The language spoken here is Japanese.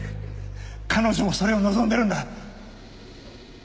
彼女もそれを望んでるんだ。